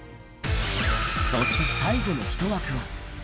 そして最後の１枠は。